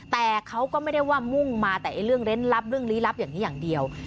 แต่เขาก็ไม่ได้ว่ามุ่งมาแต่เรื่องเล่นลับเรื่องลี้ลับอย่างนี้อย่างเดียว